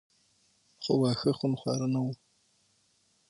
خو واښه خونخواره نه وو.